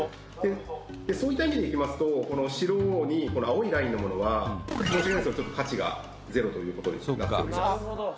「そういった意味でいきますとこの白に青いラインのものは申し訳ないですけどちょっと価値が０という事に」